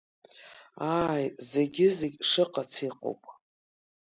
Ааи, зегьы-зегь шыҟац иҟоуп!